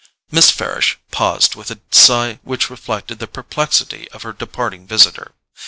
Miss Farish paused with a sigh which reflected the perplexity of her departing visitor.